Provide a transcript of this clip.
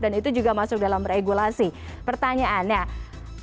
dan itu juga masuk dalam regulasi pertanyaannya yang pertama apakah memang chip base